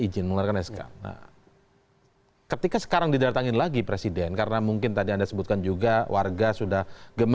jokowi kurang ngerti hukum